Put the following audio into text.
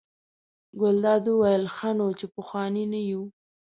ګلداد وویل: ښه نو چې پخواني نه یو.